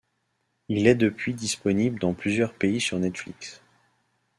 Il est depuis disponible dans plusieurs pays sur Netflix.